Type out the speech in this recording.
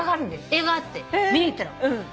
映画があって見に行ったの。